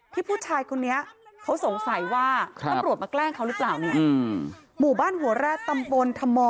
ที่ผู้ชายคนนี้เขาสงสัยว่าครับบ้านหัวแรกตำบนธรรมอ